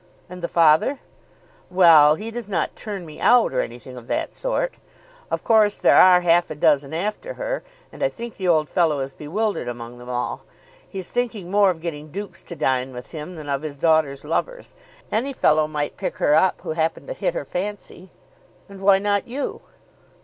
"And the father?" "Well, he does not turn me out, or anything of that sort. Of course there are half a dozen after her, and I think the old fellow is bewildered among them all. He's thinking more of getting dukes to dine with him than of his daughter's lovers. Any fellow might pick her up who happened to hit her fancy." "And why not you?"